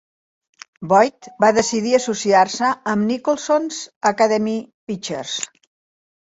Boyd va decidir associar-se amb Nicholson 's Academy Pictures.